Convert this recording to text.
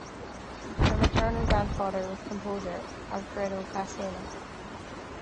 Her maternal grandfather was composer Alfredo Casella.